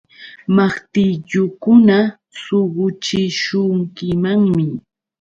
Maqtillukuna suquchishunkimanmi.